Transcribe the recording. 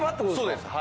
そうです。